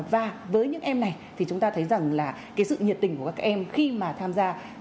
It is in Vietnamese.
và với những em này thì chúng ta thấy rằng là cái sự nhiệt tình của các em khi mà tham gia